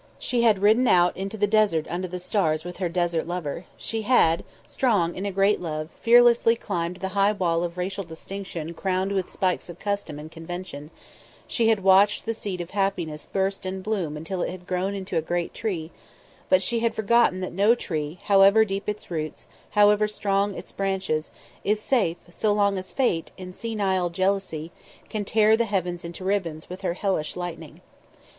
She had ridden out into the desert under the stars with her desert lover; she had, strong in a great love, fearlessly climbed the high wall of racial distinction crowned with the spikes of custom and convention; she had watched the seed of happiness burst and blossom until it had grown into a great tree; but she had forgotten that no tree, however deep its roots, however strong its branches, is safe, so long as Fate, in senile jealousy, can tear the heavens into ribbons with her hellish lightning.